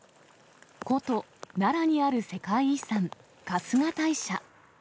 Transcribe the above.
古都・奈良にある世界遺産、春日大社。